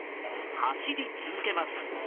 走り続けます。